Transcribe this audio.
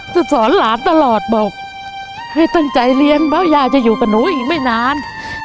จะสอนหลานตลอดบอกให้ตั้งใจเลี้ยงเพราะยายจะอยู่กับหนูอีกไม่นาน